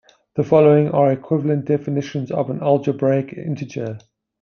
The following are equivalent definitions of an algebraic integer.